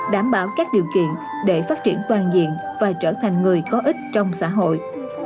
đảm bảo các điều kiện để phát triển toàn diện và trở thành người có ích trong xã hội